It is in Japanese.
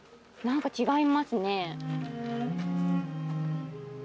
何か違いますね。